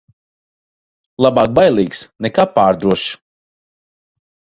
Labāk bailīgs nekā pārdrošs.